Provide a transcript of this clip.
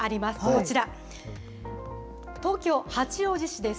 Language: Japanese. こちら、東京・八王子市です。